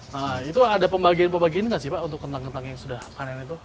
nah itu ada pembagian pembagian nggak sih pak untuk kentang kentang yang sudah panen itu